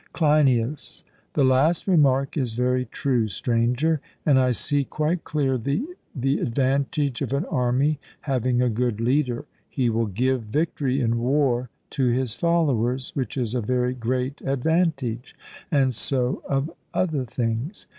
CLEINIAS: The last remark is very true, Stranger; and I see quite clearly the advantage of an army having a good leader he will give victory in war to his followers, which is a very great advantage; and so of other things.